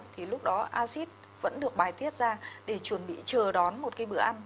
thì lúc đó acid vẫn được bài tiết ra để chuẩn bị chờ đón một cái bữa ăn